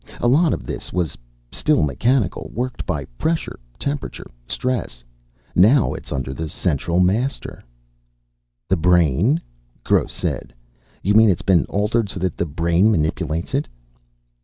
A lot of this was still mechanical, worked by pressure, temperature, stress. Now it's under the central master." "The brain?" Gross said. "You mean it's been altered so that the brain manipulates it?"